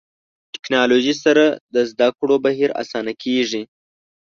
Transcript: ټکنالوژي سره د زده کړو بهیر اسانه کېږي.